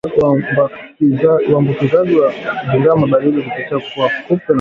uambukizaji wa ndigana baridi kupitia kwa kupe wa samawati